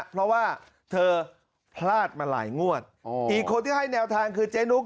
เพราะว่าเธอพลาดมาหลายงวดอีกคนที่ให้แนวทางคือเจ๊นุก